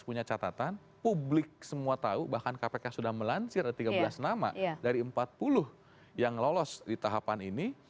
punya catatan publik semua tahu bahkan kpk sudah melansir ada tiga belas nama dari empat puluh yang lolos di tahapan ini